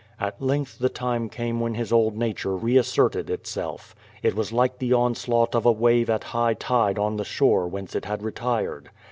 At length the time came when his old nature reasserted itself. It was like the onslaught of a wave at high tide on the shore whence it had retired.